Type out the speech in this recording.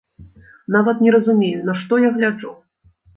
Нават не разумею, на што я гляджу.